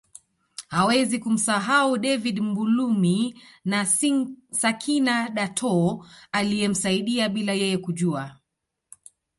Hawezi kumsahau David Mbulumi na Sakina Datoo aliyemsaidia bila yeye kujua